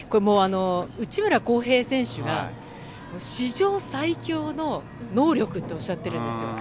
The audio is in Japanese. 内村航平選手が、史上最強の能力っておっしゃってるんですよ。